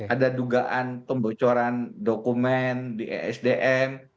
ada dugaan pembocoran dokumen di esdm